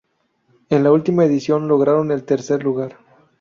En la última edición lograron el tercer lugar.